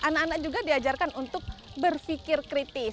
anak anak juga diajarkan untuk berpikir kritis